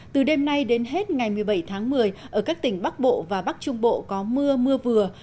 từ đêm nay đến hết ngày một mươi bảy tháng một mươi ở các tỉnh bắc bộ và bắc trung bộ có mưa mưa vừa